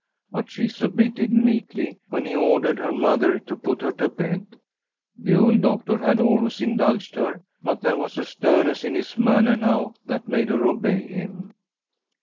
But she submitted meekly when he ordered her mother to put her to bed. The old doctor had always indulged her, but there was a sternness in his manner now that made her obey him.